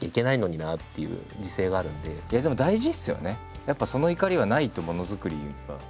いやでも大事ですよね。